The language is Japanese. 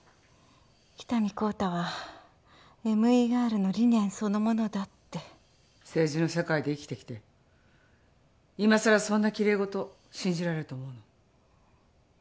喜多見幸太はＭＥＲの理念そのものだって政治の世界で生きてきて今さらそんなきれい事信じられると思うの？